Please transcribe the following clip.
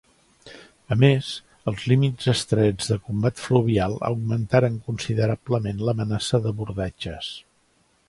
A més, els límits estrets de combat fluvial augmentaren considerablement l'amenaça d'abordatges.